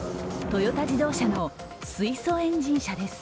トヨタ自動車の水素エンジン車です。